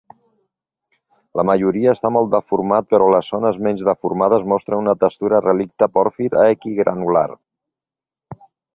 La majoria està molt deformat, però les zones menys deformades mostren una textura relicte pòrfir a equigranular.